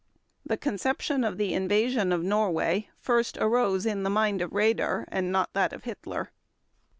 The conception of the invasion of Norway first arose in the mind of Raeder and not that of Hitler.